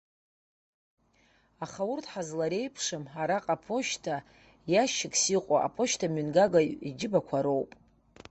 Аха урҭ ҳазлареиԥшым, араҟа аԥошьҭа иашьыкьс иҟоу аԥошьҭамҩангаҩ иџьыбақәа роуп.